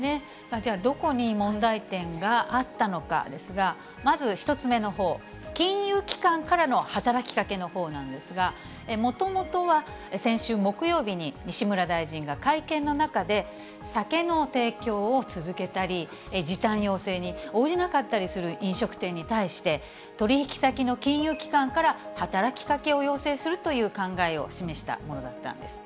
じゃあ、どこに問題点があったのかですが、まず１つ目のほう、金融機関からの働きかけのほうなんですが、もともとは先週木曜日に、西村大臣が会見の中で、酒の提供を続けたり、時短要請に応じなかったりする飲食店に対して、取り引き先の金融機関から働きかけを要請するという考えを示したものだったんです。